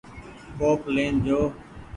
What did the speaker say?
ڪوپ لين جو ۔